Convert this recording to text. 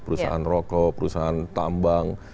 perusahaan rokok perusahaan tambang